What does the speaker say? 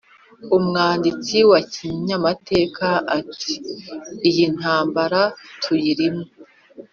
umwanditsi wa kinyamateka ati: “iyi ntambara tuyirimo